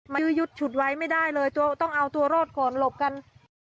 ยื้อยุดฉุดไว้ไม่ได้เลยต้องเอาตัวรอดก่อนหลบกัน